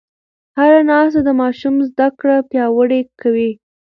هره ناسته د ماشوم زده کړه پیاوړې کوي.